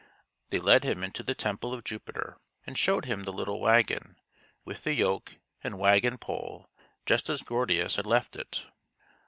They led him into the temple of Jupiter and showed him the little wagon, with the yoke and wagon pole just as Gordius had left it.